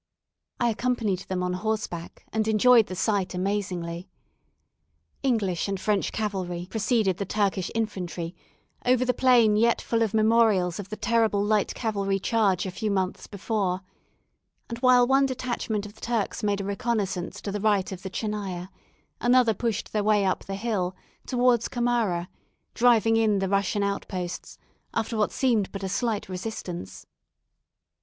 I accompanied them on horseback, and enjoyed the sight amazingly. English and French cavalry preceded the Turkish infantry over the plain yet full of memorials of the terrible Light Cavalry charge a few months before; and while one detachment of the Turks made a reconnaissance to the right of the Tchernaya, another pushed their way up the hill, towards Kamara, driving in the Russian outposts, after what seemed but a slight resistance.